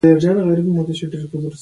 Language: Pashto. مڼه ګلابي یا ژېړ رنګ لري او خوندوره وي.